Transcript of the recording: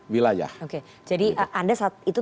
wilayah oke jadi anda saat itu